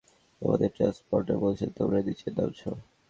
তোমাদের ট্রান্সপন্ডার বলছে, তোমরা নিচে নামছো।